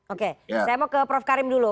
oke saya mau ke prof karim dulu